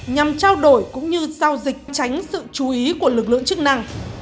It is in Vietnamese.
nhằm trao đổi cũng như giao dịch tránh sự chú ý của lực lượng chức năng